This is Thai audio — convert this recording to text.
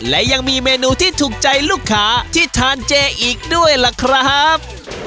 และยังมีเมนูที่ถูกใจลูกค้าที่ทานเจอีกด้วยล่ะครับ